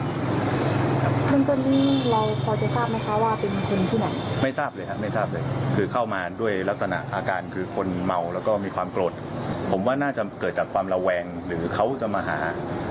นะครับไม่ทราบไม่ทราบเลยก็ไม่ทราบด้วยลักษณะอาการคือคนเหมาแล้วก็มีความโกรธผมว่าน่าจะเกิดจากความระแวงหรือเขาจะมาหา